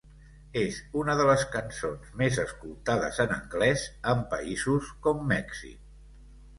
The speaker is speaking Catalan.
És una de les cançons més escoltades en anglès en països com Mèxic.